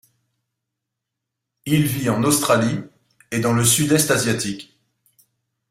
Il vit en Australie et dans le sud-est asiatique.